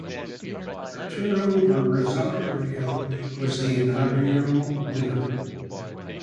Arturo Merzario was the inaugural winner.